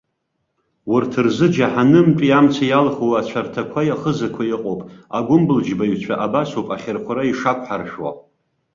Урҭ рзы, џьаҳанымтәи амца иалху ацәарҭақәеи ахызақәеи ыҟоуп. Агәымбылџьбаҩцәа абас ауп ахьырхәра ишақәҳаршәо!